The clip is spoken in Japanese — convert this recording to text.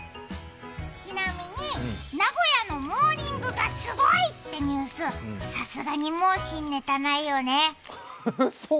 ちなみに名古屋のモーニングがすごいっていうニュース、もう新ネタないよねそう？